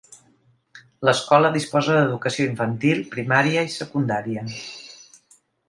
L'escola disposa d'Educació infantil, primària i secundària.